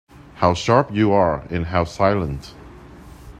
How sharp you are, and how silent!